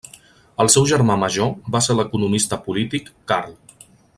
El seu germà major va ser l'economista polític Karl.